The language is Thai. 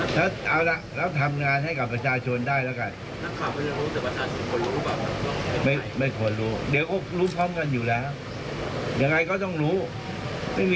สำหรับรายชื่อว่าที่ผู้บัญชาการทหารบกคนใหม่